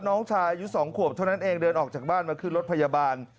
น้องชายอายุ๒ขวบเท่านั้นเองเดินออกจากบ้านมาขึ้นรถพยาบาล